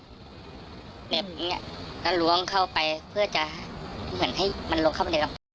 อืมเนี้ยแล้วล้วงเข้าไปเพื่อจะเหมือนให้มันล้วงเข้าไปเรียบร้อย